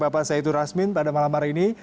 pak saitu rasmin pada malam hari ini